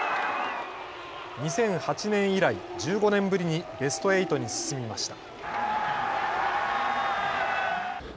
２００８年以来、１５年ぶりにベスト８に進みました。